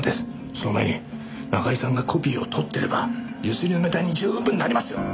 その前に中居さんがコピーを取ってれば強請りのネタに十分なりますよ！